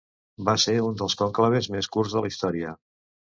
Va ser un dels conclaves més curts de la història.